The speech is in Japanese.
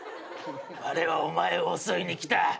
われはお前を襲いにきた。